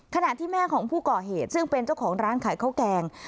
ขณะที่แม่ของผู้ก่อเหตุซึ่งเป็นเจ้าของร้านขายข้าวแกง